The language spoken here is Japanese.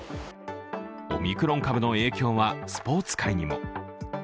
オミクロン株の影響はスポーツ界にも。